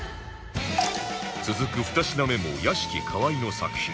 続く２品目も屋敷河井の作品